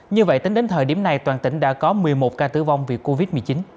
như vậy tính đến thời điểm này toàn tỉnh đã có một mươi một ca tử vong vì covid một mươi chín